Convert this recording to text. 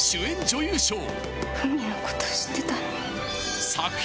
文のこと知ってたの？